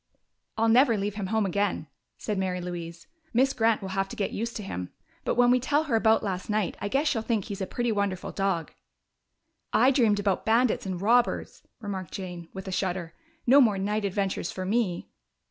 "I'll never leave him home again," said Mary Louise. "Miss Grant will have to get used to him. But when we tell her about last night I guess she'll think he's a pretty wonderful dog." "I dreamed about bandits and robbers," remarked Jane, with a shudder. "No more night adventures for me!"